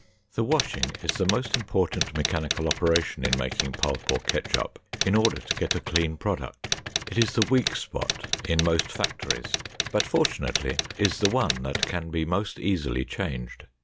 The washing is the most important mechanical operation in making pulp or ketchup in order to get a clean product. It is the weak spot in most factories, but fortunately is the one that can be most easily changed.